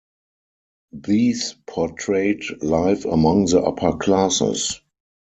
These portrayed life among the upper classes.